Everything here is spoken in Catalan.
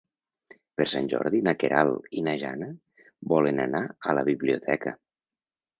Per Sant Jordi na Queralt i na Jana volen anar a la biblioteca.